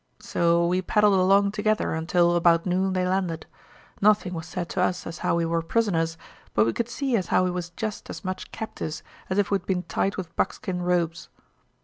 So we paddled along together until, about noon, they landed. Nothing was said to us as how we were prisoners, but we could see as how we was jest as much captives as ef we'd been tied with buckskin ropes.